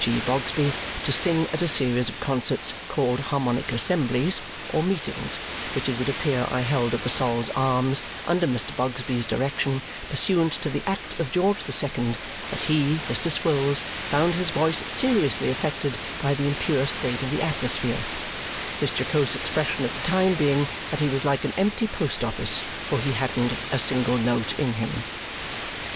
G. Bogsby to sing at a series of concerts called Harmonic Assemblies, or Meetings, which it would appear are held at the Sol's Arms under Mr. Bogsby's direction pursuant to the Act of George the Second, that he (Mr. Swills) found his voice seriously affected by the impure state of the atmosphere, his jocose expression at the time being that he was like an empty post office, for he hadn't a single note in him.